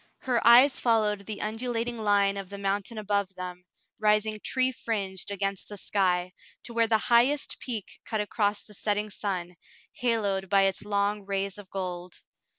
Her eyes followed the undulating line of the mountain above them, rising tree fringed against the sky, to where the highest peak cut across the setting sun, haloed by its long rays of gold.